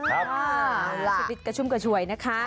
ชีวิตกระชุ่มกระชวยนะคะ